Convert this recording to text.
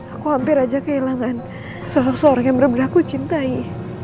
aku hampir aja kehilangan sosok seorang yang benar benar aku cintai